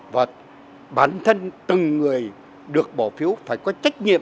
và bản thân từng người được bỏ phiếu phải có trách nhiệm